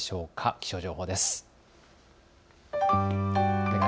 気象情報です。